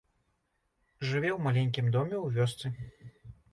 Жыве ў маленькім доме ў вёсцы.